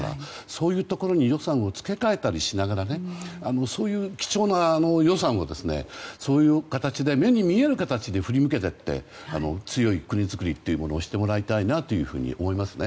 そういうところに予算を付け替えたりしながらね貴重な予算をそういう形で目に見える形で振り向けていって強い国づくりをしてもらいたいなと思いますね。